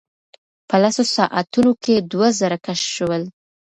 په لسو ساعتونو کې دوه زره کشف شول.